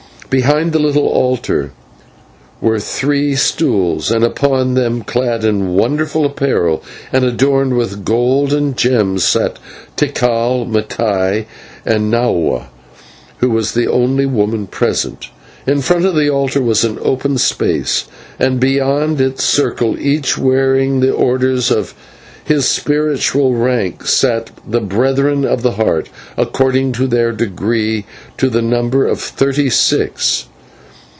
Behind the little altar were three stools, and upon them, clad in wonderful apparel, and adorned with gold and gems, sat Tikal, Mattai, and Nahua, who was the only woman present. In front of the altar was an open space, and beyond its circle, each wearing the orders of his spiritual rank, sat the Brethren of the Heart according to their degree, to the number of thirty six.